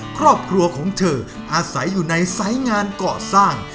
ครอบครัวของเธออาศัยอยู่ในสายงานเกาะสร้าง